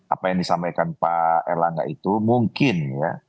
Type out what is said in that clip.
apa yang disampaikan pak erlangga itu mungkin ya